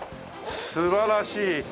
素晴らしい。